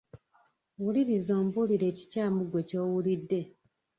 Wuliriza ombuulire ekikyamu ggwe ky'owulidde.